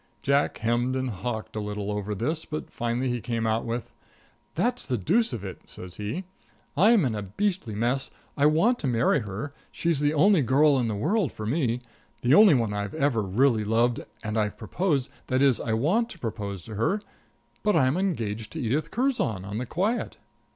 Jack hemmed and hawked a little over this, but finally he came out with it: "That's the deuce of it," says he. "I'm in a beastly mess I want to marry her she's the only girl in the world for me the only one I've ever really loved, and I've proposed that is, I want to propose to her, but I'm engaged to Edith Curzon on the quiet."